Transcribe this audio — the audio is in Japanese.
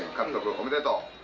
おめでとう！